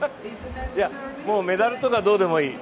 もうメダルとかどうでもいい。